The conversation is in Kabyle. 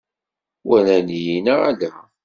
Walan-iyi neɣ ala?